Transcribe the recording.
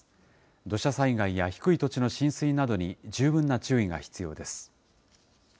土砂災害や低い土地の浸水などに十分な注意が必要です。